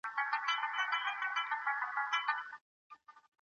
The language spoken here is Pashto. صدقات د ټولني لپاره ګټور دي.